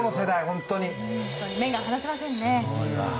本当に目が離せませんね。